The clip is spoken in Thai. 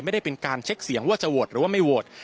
ไม่ได้เป็นการเช็คเสียงว่าจะโหวตหรือว่าไม่โหวต